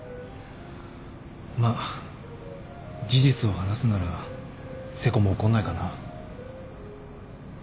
まっ事実を話すなら瀬古も怒んないかな。